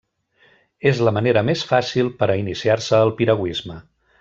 És la manera més fàcil per a iniciar-se al piragüisme.